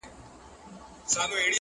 پاچا صفا ووت!! ه پکي غل زه یم!!